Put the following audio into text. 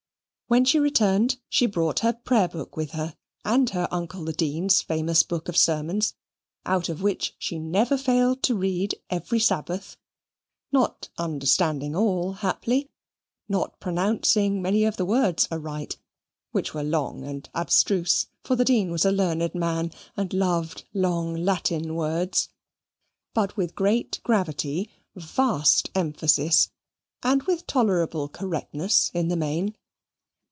When she returned she brought her prayer book with her, and her uncle the Dean's famous book of sermons, out of which she never failed to read every Sabbath; not understanding all, haply, not pronouncing many of the words aright, which were long and abstruse for the Dean was a learned man, and loved long Latin words but with great gravity, vast emphasis, and with tolerable correctness in the main.